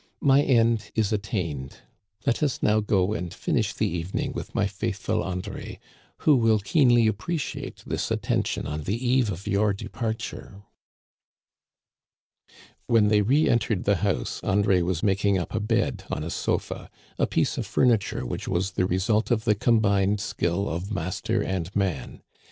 My end is attained ; let us now go and finish the evening with my faithful André, who will keenly appreciate this attention on the eve of your departure." When they re entered the house André was making up a bed on a sofa, a piece of furniture which was the result of the combined skill of master and man.